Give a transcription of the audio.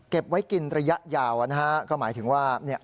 ไว้กินระยะยาวนะฮะก็หมายถึงว่าเนี่ย